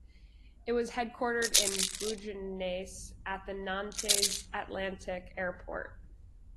It was headquartered in Bouguenais at the Nantes Atlantique Airport.